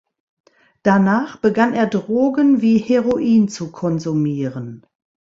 Danach begann er Drogen wie Heroin zu konsumieren.